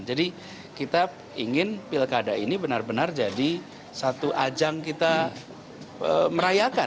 jadi kita ingin pilkada ini benar benar jadi satu ajang kita merayakan